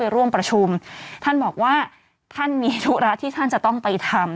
ร่วมประชุมท่านบอกว่าท่านมีธุระที่ท่านจะต้องไปทำ